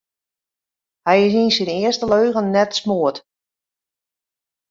Hy is yn syn earste leagen net smoard.